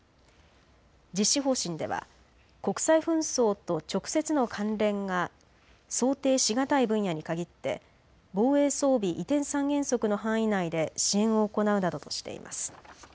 実施方針では国際紛争と直接の関連が想定しがたい分野に限って防衛装備移転三原則の範囲内で支援を行うなどとしています。